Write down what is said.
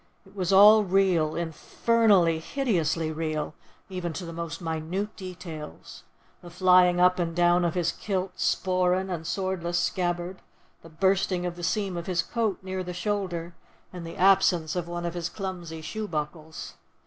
It was all real, infernally, hideously real, even to the most minute details: the flying up and down of his kilt, sporan, and swordless scabbard; the bursting of the seam of his coat, near the shoulder; and the absence of one of his clumsy shoe buckles.